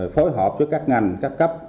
phối hợp với các ngành các cấp